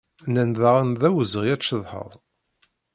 Nnan-d daɣen d awezɣi ad tceḍḥeḍ.